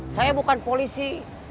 saya bukan polisi